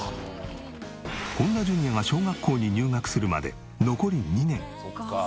本田ジュニアが小学校に入学するまで残り２年。